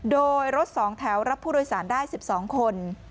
โดยรถ๒แถวรับผู้โดยสารได้๑๒คน